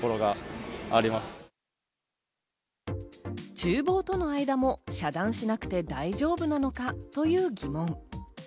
厨房との間も遮断しなくて大丈夫なのか？という疑問。